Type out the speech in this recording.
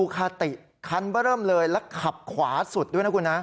กันเริ่มเลยแล้วขับขวาสุดด้วยนะครับคุณฮะ